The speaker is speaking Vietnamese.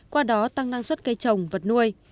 qua đó tăng năng suất cây trồng vật nuôi